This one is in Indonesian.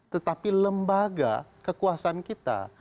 tetapi lembaga kekuasaan kita